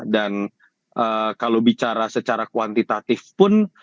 dan kalau bicara secara kuantitatif pun